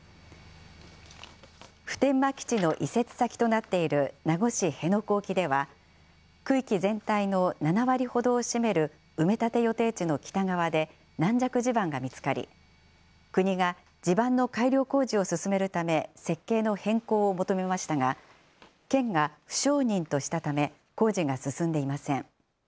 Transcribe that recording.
普天間基地の移設先となっている名護市辺野古沖では、区域全体の７割ほどを占める埋め立て予定地の北側で、軟弱地盤が見つかり、国が地盤の改良工事を進めるため、設計の変更を求めましたが、県が、不承認としたため、工事が進んでいません。